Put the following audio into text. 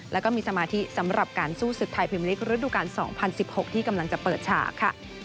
แล้วก็มีสมาธิสำหรับการสู้ศึกไทยพิมพลิกฤดูกาล๒๐๑๖ที่กำลังจะเปิดฉากค่ะ